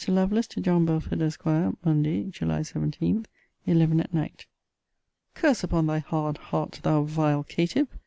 LOVELACE, TO JOHN BELFORD, ESQ. MONDAY, JULY 17, ELEVEN AT NIGHT. Curse upon thy hard heart, thou vile caitiff!